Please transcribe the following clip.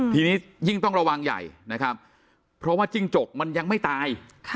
ทีนี้ยิ่งต้องระวังใหญ่นะครับเพราะว่าจิ้งจกมันยังไม่ตาย